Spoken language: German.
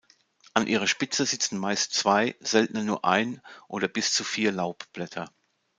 An ihrer Spitze sitzen meist zwei, seltener nur ein oder bis zu vier Laubblätter.